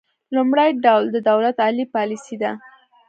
لومړی ډول د دولت عالي پالیسي ده